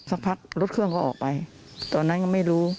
สักพักรถเครื่องก็ออกไปตอนนั้นก็ไม่รู้